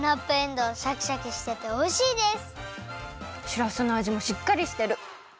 しらすのあじもしっかりしてる！